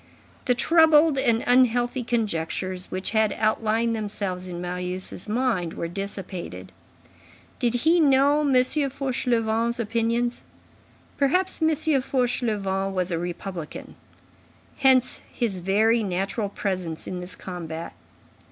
The troubled and unhealthy conjectures which had outlined themselves in Marius' mind were dissipated. Did he know M. Fauchelevent's opinions? Perhaps M. Fauchelevent was a republican. Hence his very natural presence in this combat.